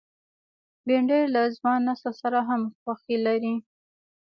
بېنډۍ له ځوان نسل سره هم خوښي لري